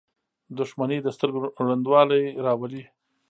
• دښمني د سترګو ړندوالی راولي.